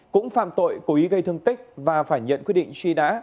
cũng phạm tội cố ý gây thương tích và phải nhận quyết định truy nã